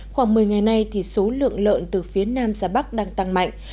khoảng một mươi ngày nay thì số lượng lợn từ phía nam ra bắc đang tăng mạnh